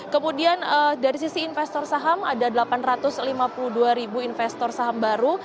kemudian dari sisi investor saham ada delapan ratus lima puluh dua ribu investor saham baru